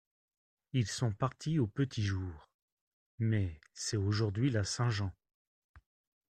Ils sont partis au petit jour … mais c'est aujourd'hui la Saint-Jean.